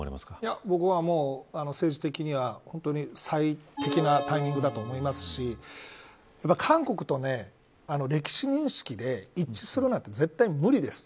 僕は、政治的には本当に最適なタイミングだと思いますし韓国と歴史認識で一致するなんて絶対無理です。